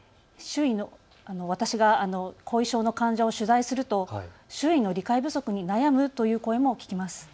後遺症の患者を取材すると周囲の理解不足に悩むという声も聞かれます。